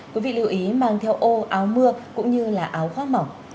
quý vị lưu ý mang theo ô áo mưa cũng như là áo khoác mỏng